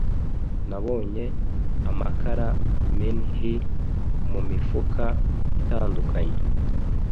nabonye amakara menhi mumifuka itandukanye